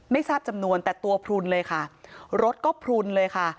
ไม่ทราบจำนวนแต่ตัวพลุนเลยค่ะรถก็พลุนเลยค่ะ